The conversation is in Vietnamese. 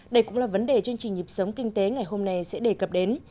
đây cũng là vấn đề chương trình nhịp sống kinh tế ngày hôm nay sẽ đề cập đến